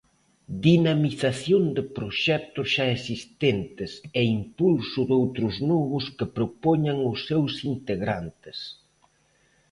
Dinamización de proxectos xa existentes e impulso doutros novos que propoñan os seus integrantes.